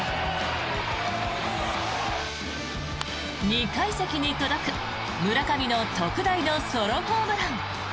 ２階席に届く村上の特大のソロホームラン。